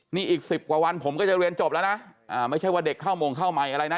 นี่อีก๑๐กว่าวันผมก็จะเรียนจบแล้วนะไม่ใช่ว่าเด็กเข้าโมงเข้าใหม่อะไรนะ